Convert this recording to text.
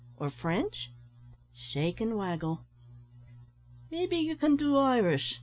"Or French?" (Shake and waggle.) "Maybe ye can do Irish?"